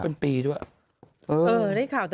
พบวันปีด้วย